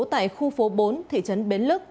tại khu phố bốn thị trấn bến lức